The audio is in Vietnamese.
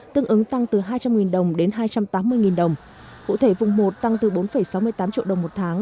tương ứng tăng từ hai trăm linh đồng đến hai trăm tám mươi đồng cụ thể vùng một tăng từ bốn sáu mươi tám triệu đồng một tháng